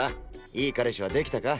いい彼氏はできたか？